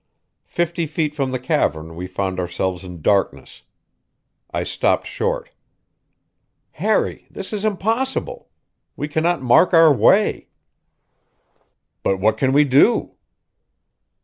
Fifty feet from the cavern we found ourselves in darkness. I stopped short. "Harry, this is impossible. We cannot mark our way." "But what can we do?"